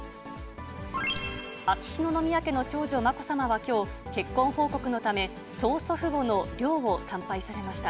秋篠宮家の長女、まこさまはきょう、結婚報告のため、曽祖父母の陵を参拝されました。